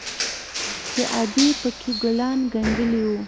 چې ادې پکښې ګلان گنډلي وو.